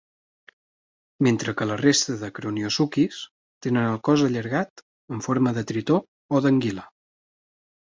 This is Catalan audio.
Mentre que la resta de croniosuquis tenen el cos allargat, en forma de tritó o d"anguila.